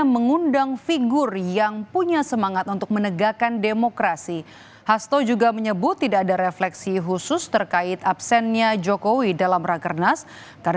perjuangan punya kekuatan dari seluruh kadar